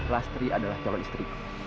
lastri adalah jalan istriku